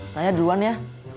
saya duluan ya